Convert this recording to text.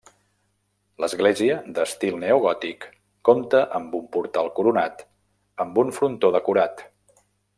L'església d'estil neogòtic compta amb un portal coronat amb un frontó decorat.